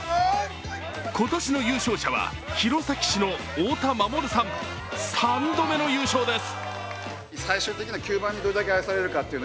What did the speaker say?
今年の優勝者は弘前市の太田守さん、３度目の優勝です。